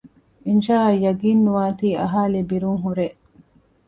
އިންޝާއަށް ޔަޤީންނުވާތީ އަހާލީ ބިރުން ހުރޭ